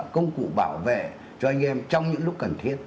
công cụ bảo vệ cho anh em trong những lúc cần thiết